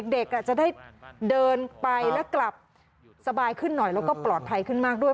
เด็กจะได้เดินไปแล้วกลับสบายขึ้นหน่อยแล้วก็ปลอดภัยขึ้นมากด้วย